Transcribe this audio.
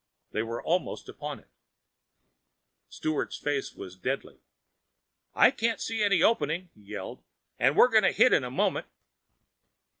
They were almost upon it. Sturt's face was deathly. "I don't see any opening!" he yelled. "And we're going to hit in a moment!"